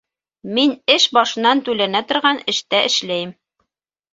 Мин эш башынан түләнә торған эштә эшләйем